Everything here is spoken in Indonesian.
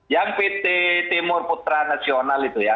yang pt timur putra nasional itu ya